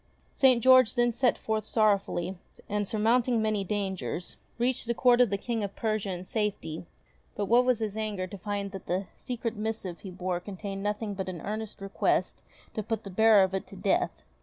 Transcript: St. George then set forth sorrowfully, and surmounting many dangers, reached the Court of the King of Persia in safety ; but what was his anger to find that the secret missive he bore contained nothing but an earnest request to put the bearer of it to death.